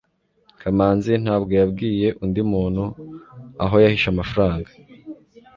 kamanzi ntabwo yabwiye undi muntu aho yahishe amafaranga